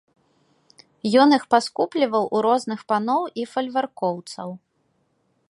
Ён іх паскупліваў у розных паноў і фальваркоўцаў.